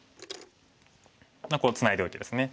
ツナいでおいてですね。